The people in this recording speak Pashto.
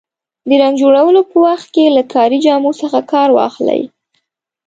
د رنګ جوړولو په وخت کې له کاري جامو څخه کار واخلئ.